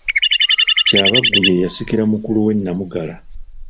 Kyabaggu ye yasikira mukulu we Namugala.